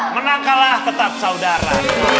menang kalah tetap saudara